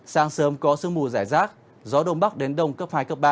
sáng sớm có sương mù giải rác gió đông bắc đến đông cấp hai ba